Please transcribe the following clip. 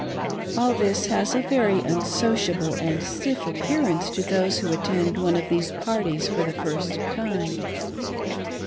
All this has a very unsociable and stiff appear ance to those who attend one of these parties for the first , time.